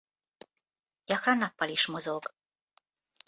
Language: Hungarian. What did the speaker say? Gyakran nappal is mozog.